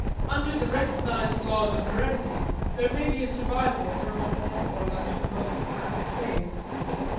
Under the recognized laws of heredity there may be a survival from a more or less remote past phase.